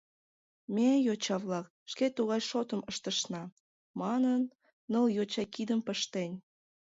«Ме, йоча-влак, шке тугай шотым ыштышна» манын, ныл йоча кидым пыштен.